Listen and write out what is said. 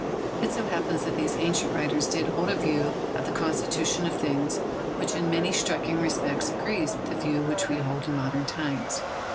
... It so happens thai these ancient writers did hold a view of the constitution of things which in many striking respects agrees with the view which we hold in modern times.